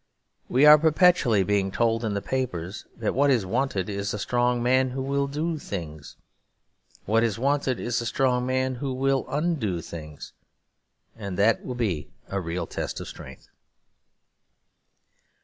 We are perpetually being told in the papers that what is wanted is a strong man who will do things. What is wanted is a strong man who will undo things; and that will be a real test of strength.